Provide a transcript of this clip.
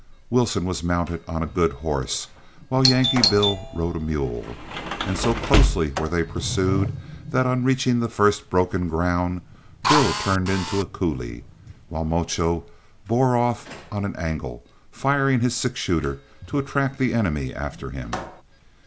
Wilson was mounted on a good horse, while Yankee Bill rode a mule, and so closely were they pursued, that on reaching the first broken ground Bill turned into a coulee, while Mocho bore off on an angle, firing his six shooter to attract the enemy after him.